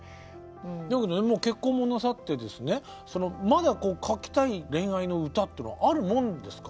だけど結婚もなさってですねまだ書きたい恋愛の歌っていうのはあるもんですか？